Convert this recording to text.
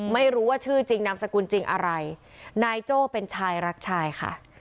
ไม่รู้ว่าชื่อจริงนามสกุลจริงอะไรนายโจ้เป็นชายรักชายค่ะ